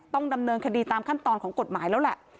ต้องดำเนินคดีตามขั้นตอนของกฎหมายแล้วแหละ